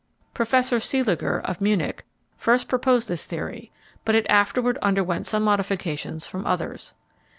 Professor Seeliger, of Munich, first proposed this theory, but it afterward underwent some modifications from others.